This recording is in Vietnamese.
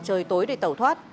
trời tối để tẩu thoát